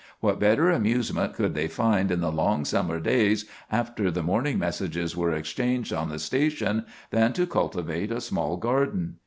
What better amusement could they find in the long summer days, after the morning messages were exchanged on the station, than to cultivate a small garden?